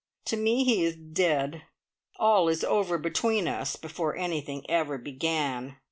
To me he is dead. All is over between us before anything ever began!